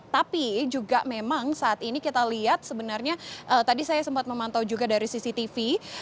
tapi juga memang saat ini kita lihat sebenarnya tadi saya sempat memantau juga dari cctv